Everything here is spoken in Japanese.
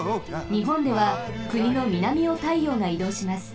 にほんではくにの南をたいようがいどうします。